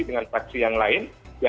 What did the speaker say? dengan saksi yang lain